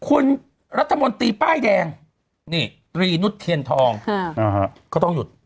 คุณรัฐมนตรีป้ายแดงนี่ตรีนุษย์เทียนทองก็ต้องหยุด